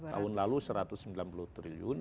tahun lalu rp satu ratus sembilan puluh triliun